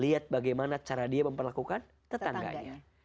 lihat bagaimana cara dia memperlakukan tetangganya